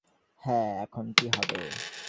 হ্যাঁ, এখন কী হবে?